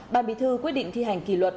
ban bình thư quyết định thi hành kỳ luật